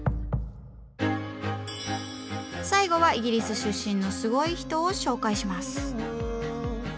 最後はイギリス出身のすごい人を紹介します。